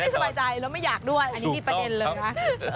สบายใจแล้วไม่อยากด้วยอันนี้มีประเด็นเลยนะ